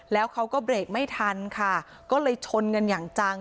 แล้วเขาก็เบรกไม่ทันค่ะก็เลยชนกันอย่างจัง